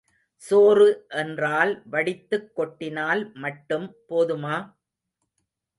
சோறு என்றால் வடித்துக் கொட்டினால் மட்டும் போதுமா!